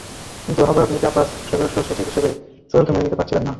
কিন্তু আহ্বায়ক মির্জা আব্বাস সদস্যসচিব হিসেবে সোহেলকে মেনে নিতে পারছিলেন না।